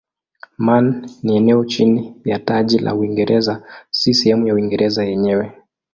Man ni eneo chini ya taji la Uingereza si sehemu ya Uingereza yenyewe.